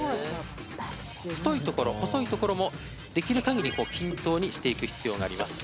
太いところ、細いところもできるかぎり均等にしていく必要があります。